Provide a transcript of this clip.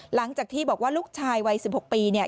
หลังจากที่บอกว่าลูกชายวัย๑๖ปีเนี่ย